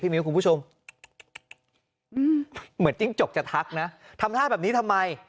มิ้วคุณผู้ชมเหมือนจิ้งจกจะทักนะทำท่าแบบนี้ทำไม